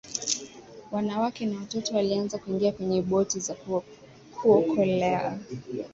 wanawake na watoto walianza kuingia kwenye boti za kuokolea